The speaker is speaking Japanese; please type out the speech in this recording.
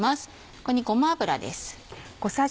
ここにごま油です。